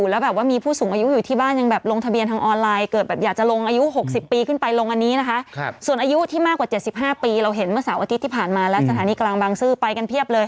ส่วนอายุที่มากกว่า๗๕ปีเราเห็นเมื่อสาวอาทิตย์ที่ผ่านมาแล้วสถานีกลางบังซื้อไปกันเพียบเลย